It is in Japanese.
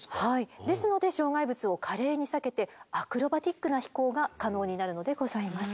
ですので障害物を華麗に避けてアクロバティックな飛行が可能になるのでございます。